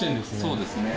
そうですね。